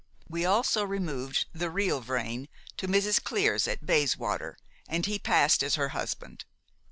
We also removed the real Vrain to Mrs. Clear's at Bayswater, and he passed as her husband.